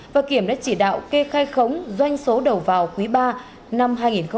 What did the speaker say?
và kiểm đã chỉ đạo kê khai khống doanh số đầu vào quý ba năm hai nghìn hai mươi